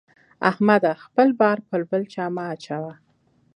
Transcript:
احمده! خپل بار پر بل چا مه اچوه.